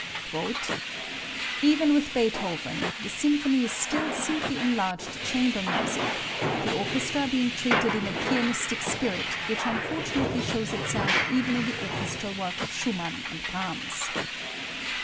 "Even with Beethoven, the symphony is still simply enlarged chamber music, the orchestra being treated in a pianistic spirit which unfortunately shows itself even in the orchestral work of Schumann and Brahms.